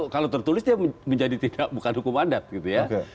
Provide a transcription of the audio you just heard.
kalau tertulis dia menjadi tidak bukan hukum adat gitu ya